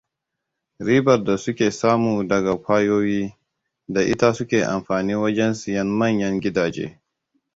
Ribar da suke samu daga kwayoyi, da ita suke amfani wajen siyan manyan gidaje.